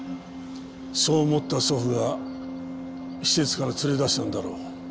そう思った祖父が施設から連れ出したんだろう。